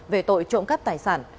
về tội trộm cắt tài sản